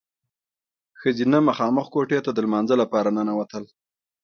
ښځینه مخامخ کوټې ته د لمانځه لپاره ننوتل.